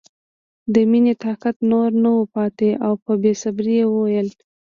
د مینې طاقت نور نه و پاتې او په بې صبرۍ یې وویل